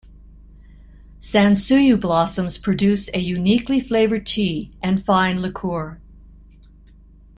Sansuyu blossoms produce a uniquely favored tea and fine liquor.